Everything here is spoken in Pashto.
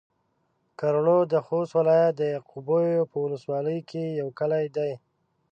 کرړو د خوست ولايت د يعقوبيو په ولسوالۍ کې يو کلی دی